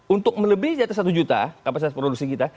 untuk melebihi di atas satu juta kapasitas produksi kita